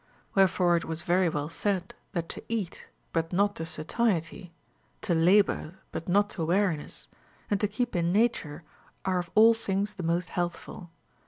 Wherefore it was very well said, that to eat — but not to satiety, to labor — but not to weari ness, and to keep in nature, are of all things the most healthful.